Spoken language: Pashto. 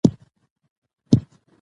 ماشومان به لار تعقیب کړي.